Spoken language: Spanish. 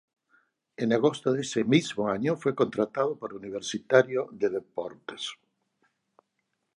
En agosto de ese mismo año fue contratado por Universitario de Deportes.